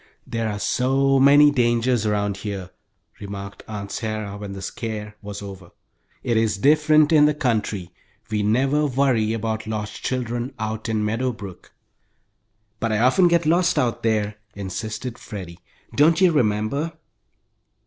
"There are so many dangers around here," remarked Aunt Sarah, when all the "scare" was over. "It is different in the country. We never worry about lost children out in Meadow Brook." "But I often got lost out there," insisted Freddie. "Don't you remember?"